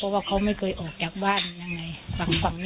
ว่าเขาเคยไปหาใครหรือเปล่า